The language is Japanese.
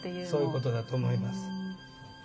そういうことだと思います。